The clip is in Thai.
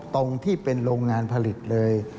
ตรงที่เป็นโรงงานผลิตเลย